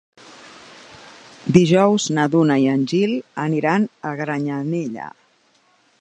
Dijous na Duna i en Gil aniran a Granyanella.